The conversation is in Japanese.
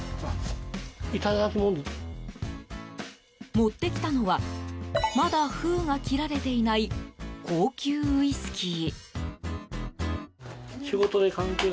持ってきたのはまだ封が切られていない高級ウイスキー。